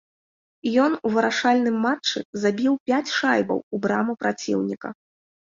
Ён у вырашальным матчы забіў пяць шайбаў у браму праціўніка.